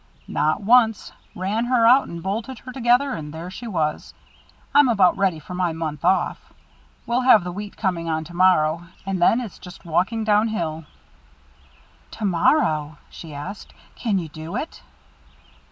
"Not once. Ran her out and bolted her together, and there she was. I'm about ready for my month off. We'll have the wheat coming in to morrow, and then it's just walking down hill." "To morrow?" she asked. "Can you do it?"